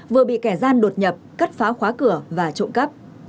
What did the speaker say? vừa bị kẻ gian đột nhập cắt phá khóa cửa và trộm cắp